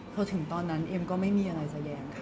พอถึงตอนนั้นเอ็มก็ไม่มีอะไรจะแย้งค่ะ